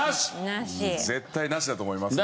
絶対ナシだと思いますね。